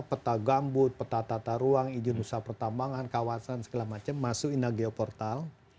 peta gambut peta tata ruang ijin usaha pertambangan kawasan segala macam masuk inagio portal